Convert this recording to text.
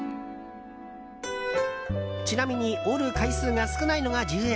ちなみに折る回数が少ないのが１０円